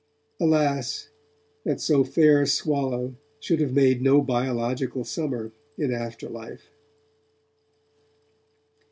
Alas! that so fair a swallow should have made no biological summer in after life.